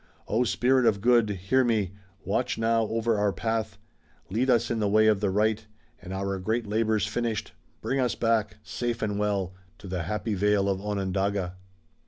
"O Spirit of Good, hear me, Watch now over our path, Lead us in the way of the right, And, our great labors finished, Bring us back, safe and well, To the happy vale of Onondaga."